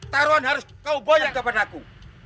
taruhan harus kau bayangkan kepada aku